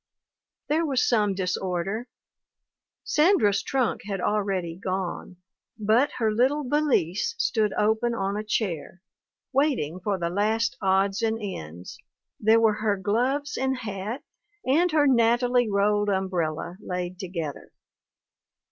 There was some disorder; Sandra's trunk had already gone, but her little valise stood open on a chair, waiting for the last odds and ends; there were her gloves and hat and her nattily rolled umbrella laid together.